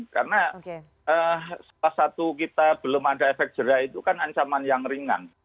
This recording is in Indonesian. karena salah satu kita belum ada efek jerak itu kan ancaman yang ringan